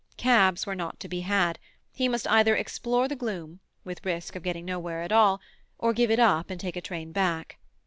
Cabs were not to be had; he must either explore the gloom, with risk of getting nowhere at all, or give it up and take a train back.